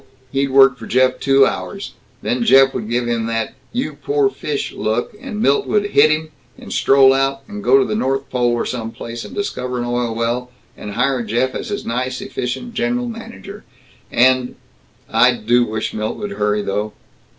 He'd work for Jeff two hours. Then Jeff would give him that 'You poor fish!' look, and Milt would hit him, and stroll out, and go to the North Pole or some place, and discover an oil well, and hire Jeff as his nice, efficient general manager. And I do wish Milt would hurry, though!"